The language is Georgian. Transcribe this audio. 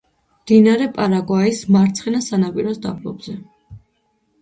მდინარე პარაგვაის მარცხენა სანაპიროს დაბლობზე.